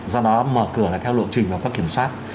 do đó mở cửa là theo lộ trình và pháp kiểm soát